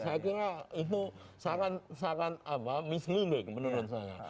saya kira itu sangat mislimbing menurut saya